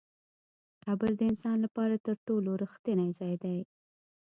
قبر د انسان لپاره تر ټولو رښتینی ځای دی.